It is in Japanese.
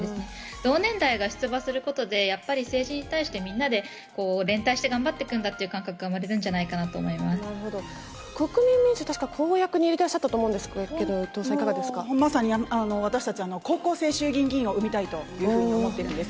同年代が出馬することでやっぱり政治に対して、みんなで連帯して頑張っていくんだっていう感覚が生まれるんじゃなるほど、国民民主、確か公約に入れてらっしゃったと思うんですけど、伊藤さん、まさに、私たち、高校生衆議院議員を生みたいというふうに思っているんです。